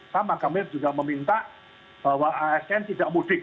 sama kami juga meminta bahwa asn tidak mudik